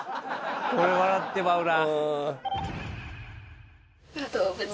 これ笑ってまうな。